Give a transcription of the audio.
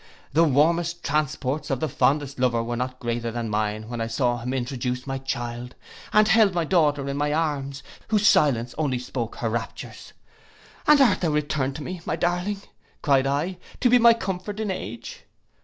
'—The warmest transports of the fondest lover were not greater than mine when I saw him introduce my child, and held my daughter in my arms, whose silence only spoke her raptures. 'And art thou returned to me, my darling,' cried I, 'to be my comfort in age!